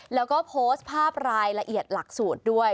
แล้วก็โพสต์ภาพรายละเอียดหลักสูตรด้วย